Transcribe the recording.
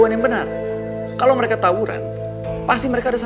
lagi yang juga mereka bukan anak sekolah kamu juga